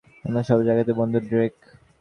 আমার সব জায়গাতেই বন্ধু রয়েছে, ড্রেক।